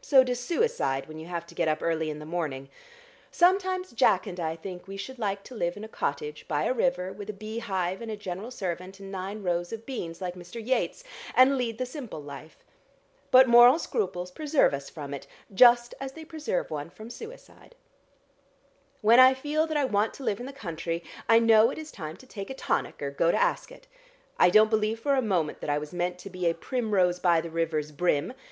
"So does suicide when you have to get up early in the morning. Sometimes Jack and I think we should like to live in a cottage by a river with a bee hive and a general servant, and nine rows of beans like Mr. Yeats, and lead the simple life. But moral scruples preserve us from it, just as they preserve one from suicide. When I feel that I want to live in the country, I know it is time to take a tonic or go to Ascot. I don't believe for a moment that I was meant to be a 'primrose by the river's brim.'